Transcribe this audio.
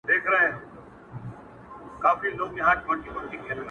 • هسې سترگي پـټـي دي ويــــده نــه ده.